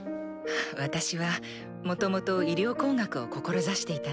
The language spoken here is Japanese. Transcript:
私はもともと医療工学を志していたの。